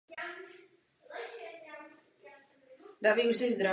Milota se snažil zachránit situaci.